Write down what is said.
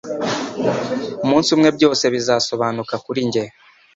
umunsi umwe byose bizasobanuka kuri njye